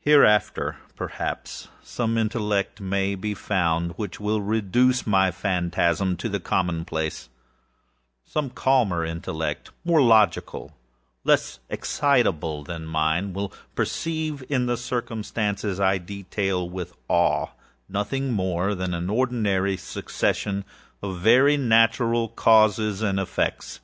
Hereafter, perhaps, some intellect may be found which will reduce my phantasm to the common placeâsome intellect more calm, more logical, and far less excitable than my own, which will perceive, in the circumstances I detail with awe, nothing more than an ordinary succession of very natural causes and effects.